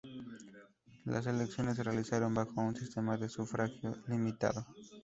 Las elecciones se realizaron bajo un sistema de sufragio limitado.